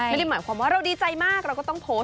ไม่ได้หมายความว่าเราดีใจมากเราก็ต้องโพสต์